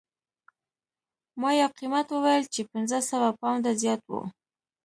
ما یو قیمت وویل چې پنځه سوه پونډه زیات و